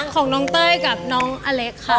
ของน้องเต้ยกับน้องอเล็กค่ะ